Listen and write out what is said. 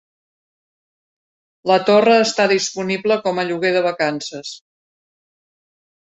La torre està disponible com a lloguer de vacances.